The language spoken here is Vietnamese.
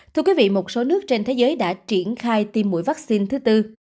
thưa quý vị một số nước trên thế giới đã triển khai tiêm mũi vaccine thứ tư